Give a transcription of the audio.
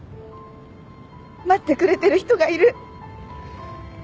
待ってくれてる人がいる。